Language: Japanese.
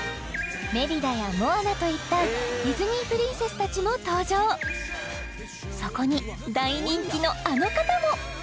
メリダやモアナといったディズニープリンセスたちも登場そこに大人気のあの方も！